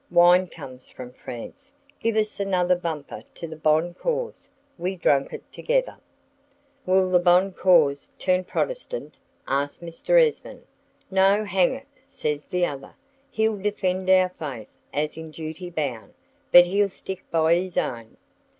Wine comes from France; give us another bumper to the bonne cause." We drank it together. "Will the bonne cause turn Protestant?" asked Mr. Esmond. "No, hang it," says the other, "he'll defend our Faith as in duty bound, but he'll stick by his own.